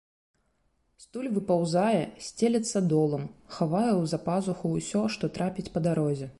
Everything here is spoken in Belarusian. Стуль выпаўзае, сцелецца долам, хавае ў запазуху ўсё, што трапіць па дарозе.